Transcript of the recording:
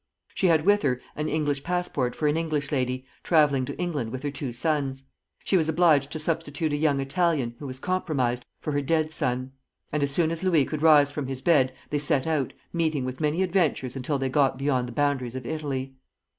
She had with her an English passport for an English lady, travelling to England with her two sons. She was obliged to substitute a young Italian, who was compromised, for her dead son; and as soon as Louis could rise from his bed, they set out, meeting With many adventures until they got beyond the boundaries of Italy.